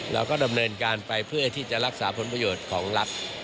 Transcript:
เราก็ดำเนินการไปเพื่อที่จะรักษาผลประโยชน์ของรัฐ